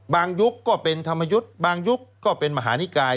ยุคก็เป็นธรรมยุทธ์บางยุคก็เป็นมหานิกาย